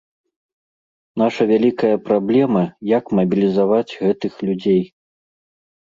Наша вялікая праблема, як мабілізаваць гэтых людзей.